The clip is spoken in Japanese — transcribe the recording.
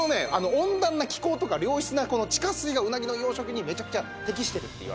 温暖な気候とか良質な地下水がうなぎの養殖にめちゃくちゃ適してるっていわれてるんです。